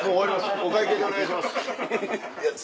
お会計でお願いします。